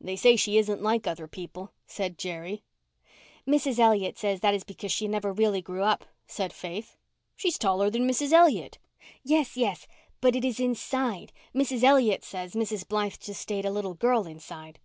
"They say she isn't like other people," said Jerry. "Mrs. Elliot says that is because she never really grew up," said Faith. "She's taller than Mrs. Elliott." "Yes, yes, but it is inside—Mrs. Elliot says Mrs. Blythe just stayed a little girl inside."